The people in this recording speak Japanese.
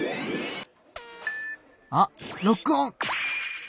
あっロックオン！